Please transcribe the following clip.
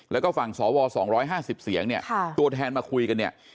แล้วก็ฝั่งสอวอสองร้อยห้าสิบเสียงเนี้ยค่ะตัวแทนมาคุยกันเนี้ย